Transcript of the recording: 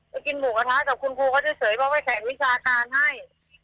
ไปกินหมูกระทะกับคุณครูเขาจะเสยบอกว่าแข่งวิชาการให้